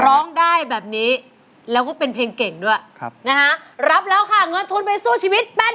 ร้องได้แบบนี้แล้วก็เป็นเพลงเก่งด้วยครับนะฮะรับแล้วค่ะเงินทุนไปสู้ชีวิตแปด